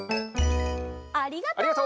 ありがとう！